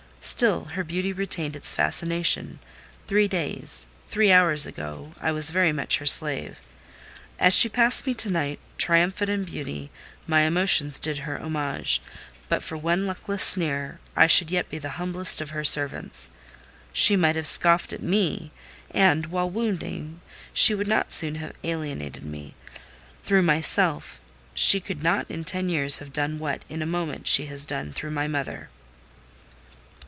Still her beauty retained its fascination: three days—three hours ago, I was very much her slave. As she passed me to night, triumphant in beauty, my emotions did her homage; but for one luckless sneer, I should yet be the humblest of her servants. She might have scoffed at me, and, while wounding, she would not soon have alienated me: through myself, she could not in ten years have done what, in a moment, she has done through my mother."